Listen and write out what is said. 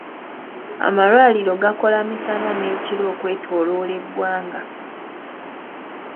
Amalwaliro gakola misana n'ekiro okwetooloola eggwanga.